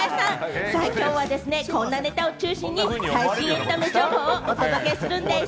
今日はこんなネタを中心に最新エンタメ情報をお届けするんでぃす！